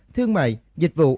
thương mại dịch vụ